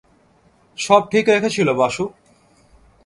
সব ঠিক রেখেছিল বাসু?